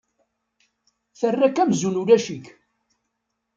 Terra-k amzun ulac-ik.